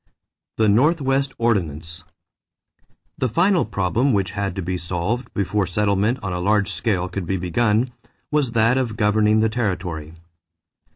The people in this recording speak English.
=The Northwest Ordinance.= The final problem which had to be solved before settlement on a large scale could be begun was that of governing the territory.